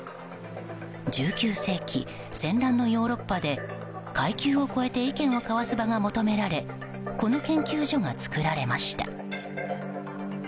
１９世紀、戦乱のヨーロッパで階級を超えて意見を交わす場が求められこの研究所が作られました。